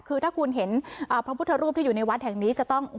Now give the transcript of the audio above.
คือถ้าคุณเห็นพระพุทธรูปที่อยู่ในวัดแห่งนี้จะต้อง